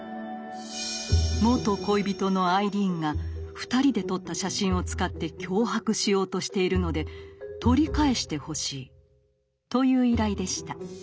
「元恋人のアイリーンが二人で撮った写真を使って脅迫しようとしているので取り返してほしい」という依頼でした。